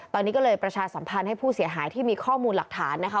ตอนนี้ก็เลยประชาสัมพันธ์ให้ผู้เสียหายที่มีข้อมูลหลักฐานนะคะ